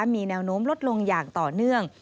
มีแนวโน้มลดลงอย่างต่อเนื่อง